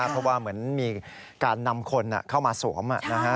เพราะว่าเหมือนมีการนำคนเข้ามาสวม